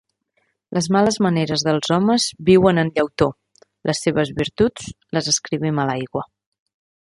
Les males maneres dels homes viuen en llautó; les seves virtuts les escrivim a l'aigua